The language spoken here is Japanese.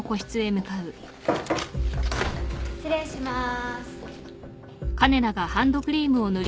失礼します。